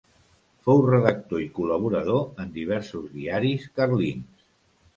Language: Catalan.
Fou redactor i col·laborador en diversos diaris carlins.